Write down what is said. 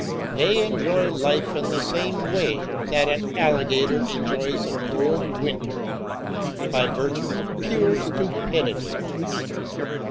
They enjoy life in the same way that an alligator enjoys a cold winter, by virtue of pure stupidity.